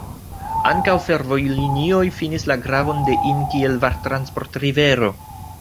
Ankaŭ fervojlinioj finis la gravon de Inn kiel vartransportrivero.